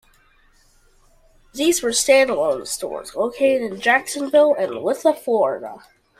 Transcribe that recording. These were standalone stores located in Jacksonville and Lithia, Florida.